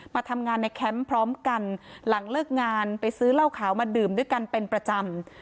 มาทำงานในแคมป์พร้อมกันหลังเลิกงานไปซื้อเหล้าขาวมาดื่มด้วยกันเป็นประจำ